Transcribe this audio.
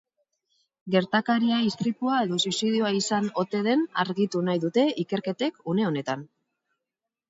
Gertakaria istripua edo suizidioa izan ote den argitu nahi dute ikerketek une honetan.